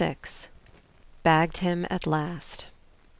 Bagged him at Last.